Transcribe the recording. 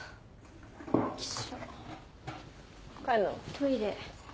トイレ。